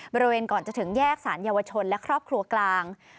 บริเวณก่อนจะถึงแยกสารเยาวชนและครอบครัวกลาง